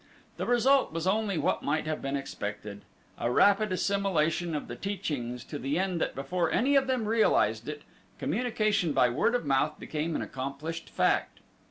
The result was only what might have been expected a rapid assimilation of the teachings to the end that before any of them realized it, communication by word of mouth became an accomplished fact.